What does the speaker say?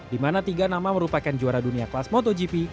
di mana tiga nama merupakan juara dunia kelas motogp